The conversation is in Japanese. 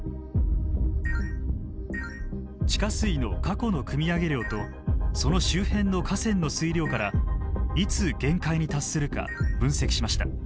地下水の過去のくみ上げ量とその周辺の河川の水量からいつ限界に達するか分析しました。